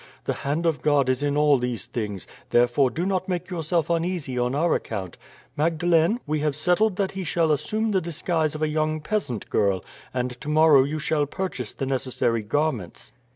The hand of God is in all these things; therefore, do not make yourself uneasy on our account. Magdalene, we have settled that he shall assume the disguise of a young peasant girl, and tomorrow you shall purchase the necessary garments."